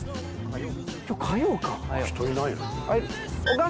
今日火曜か。